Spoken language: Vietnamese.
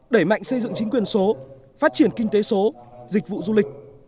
đẩy mạnh xây dựng chính quyền số phát triển kinh tế số dịch vụ du lịch